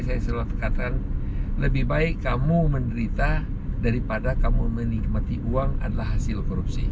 saya selalu katakan lebih baik kamu menderita daripada kamu menikmati uang adalah hasil korupsi